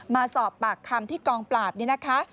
มาสอบปากคำที่กองบังคับนี้